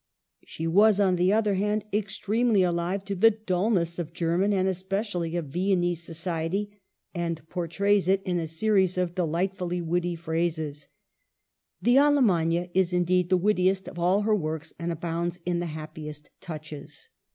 She was, on the other hand, extremely alive to the dullness of German, and especially of Vien nese, society, and portrays it in a series of Digitized by VjOOQIC 236 MADAME DE STA£L. delightfully witty phrases. The Allemagne is indeed the wittiest of all her works, and abounds in the happiest touches.